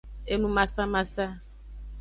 Enumasamasa.